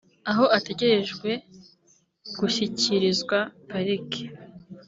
aho ategerejwe gushyikirizwa parike